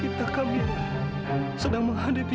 karena dia merupakan orang yang paling ukuran